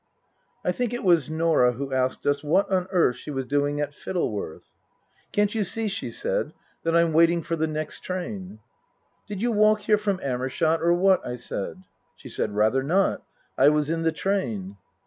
I think it was Norah who asked her what on earth she was doing at Fittleworth. " Can't you see," she said, " that I'm waiting for the next train ?"" Did you walk here from Amershott, or what ?" I said. She said, " Rather not. I was in the train."